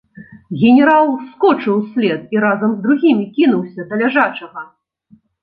Генерал скочыў услед і разам з другімі кінуўся да ляжачага.